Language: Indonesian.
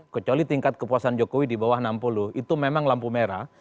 kecuali tingkat kepuasan jokowi di bawah enam puluh itu memang lampu merah